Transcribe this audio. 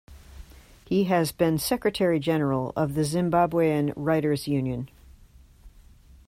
He has been secretary general of the Zimbabwean Writers' Union.